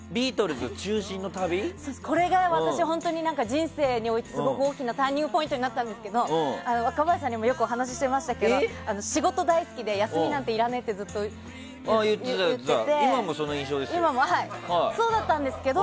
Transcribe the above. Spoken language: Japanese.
これが、私人生において、すごく大きなターニングポイントになったんですけど若林さんにもよくお話ししてましたけど仕事大好きで休みなんていらねえってずっと言ってて。